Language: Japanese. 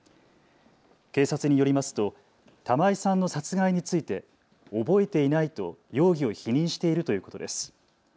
警察によりますと玉井さんの殺害について覚えていないと容疑を否認しているということです。